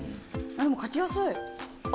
でも描きやすい！